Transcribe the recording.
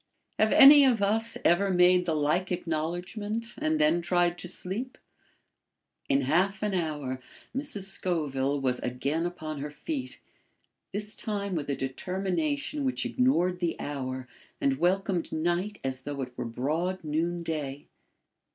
Have any of us ever made the like acknowledgment and then tried to sleep? In half an hour Mrs. Scoville was again upon her feet, this time with a determination which ignored the hour and welcomed night as though it were broad noon day.